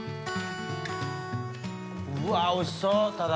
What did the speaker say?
うわおいしそう多田。